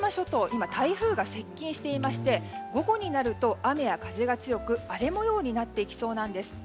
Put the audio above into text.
今、台風が接近していまして午後になると雨や風が強く荒れ模様になっていきそうなんです。